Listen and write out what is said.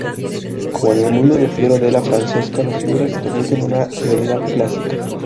Como en el mundo de Piero della Francesca, las figuras transmiten una serenidad clásica.